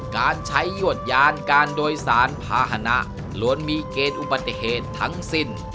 การใช้หยวดยานการโดยสารภาษณะล้วนมีเกณฑ์อุบัติเหตุทั้งสิ้น